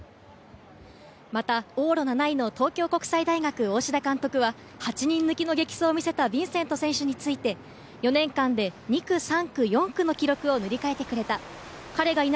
往路７位の東京国際大学・大志田監督は８人抜きの激走を見せたヴィンセント選手について、４年間で２区、３区、４区の記録を塗り替えてくれた。